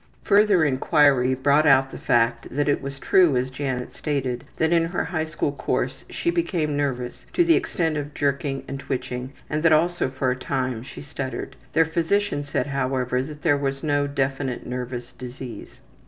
Further inquiry brought out the fact that it was true, as Janet stated, that in her high school course she became nervous to the extent of jerking and twitching, and that also for a time she stuttered. Their physician said, however, that there was no definite nervous disease.